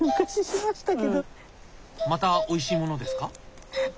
またおいしいものですか？